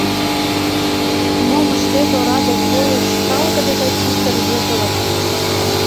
Мом ыштет, ораде койыш, талгыде гай писе рвезылык.